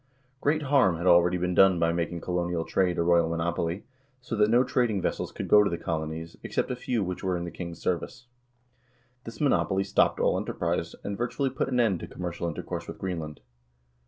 Great harm had already been done by making colonial trade a royal monopoly, so that no trading vessels could go to the colonies, except a few which were in the king's service. This monopoly stopped all enterprise, and virtually put an end to commercial intercourse with Greenland.